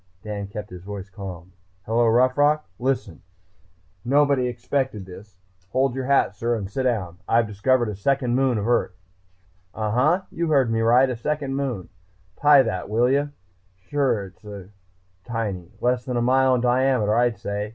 Dan kept his voice calm. "Hello, Rough Rock.... Listen ... nobody expected this ... hold your hat, sir, and sit down. I've discovered a second moon of Earth!... Uhhuh, you heard me right! a second moon! Tie that, will you?... Sure, it's tiny, less than a mile in diameter I'd say.